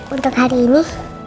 untuk hari ini